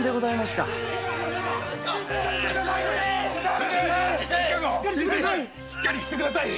しっかりして下さい。